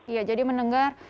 iya jadi menengah